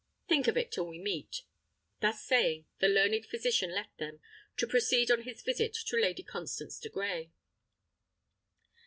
Think of it till we meet." Thus saying, the learned physician left them, to proceed on his visit to Lady Constance de Grey.